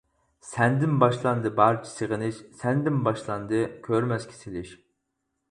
سەندىن باشلاندى بارچە سېغىنىش، سەندىن باشلاندى كۆرمەسكە سېلىش.